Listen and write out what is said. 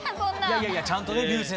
いやいやちゃんとね彩